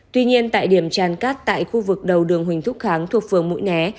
tuy nhiên tại điểm tràn cát tại khu vực đầu đường huỳnh thúc kháng thuộc phường mũi né